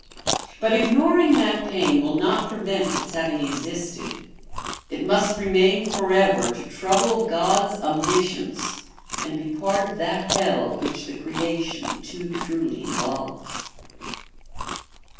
But ignoring that pain will not prevent its having existed; it must remain for ever to trouble God's omniscience and be a part of that hell which the creation too truly involves.